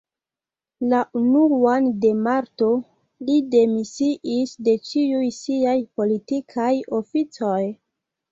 La unuan de marto li demisiis de ĉiuj siaj politikaj oficoj.